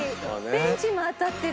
ベンチも当たってる。